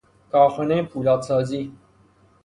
کارخانهی پولادسازی